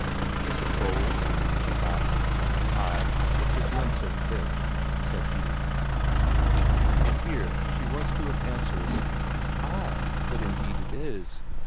"Is it gold?" she asked. "Ay, but 'tis none so thick," said he. And here she was to have answered: "Ay, but indeed it is."